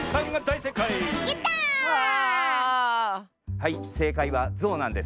はいせかいは「ゾウ」なんです。